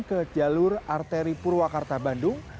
ke jalur arteri purwakarta bandung